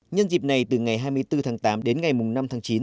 nhân dịp này từ ngày hai mươi bốn tháng tám đến ngày năm tháng chín